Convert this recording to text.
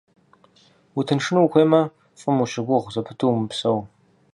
Утыншыну ухуеймэ, фӀым ущыгугъ зэпыту умыпсэу.